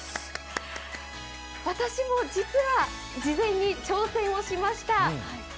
私も実は事前に挑戦をしました。